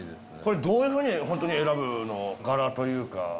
これどういうふうにホントに選ぶの柄というか。